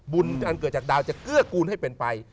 อันเกิดจากดาวจะเกื้อกูลให้เป็นไป